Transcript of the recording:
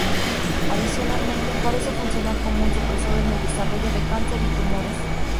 Adicionalmente, parece funcionar como un supresor en el desarrollo de cáncer y tumores.